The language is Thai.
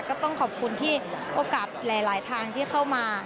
ก็ต้องขอบคุณที่โอกาสหลายทางที่เข้ามา